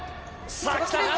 さあ、きた。